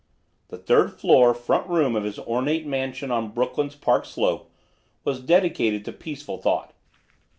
The third floor front room of his ornate mansion on Brooklyn's Park Slope was dedicated to peaceful thought.